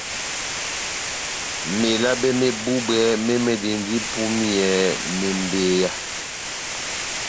Melabe mé búbwɛ mémɛdɛndi ipúmiyɛ mebeya.